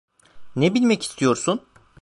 Ne bilmek istiyorsun?